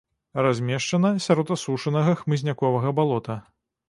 Размешчана сярод асушанага хмызняковага балота.